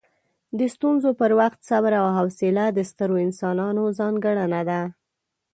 د ستونزو پر وخت صبر او حوصله د سترو انسانانو ځانګړنه ده.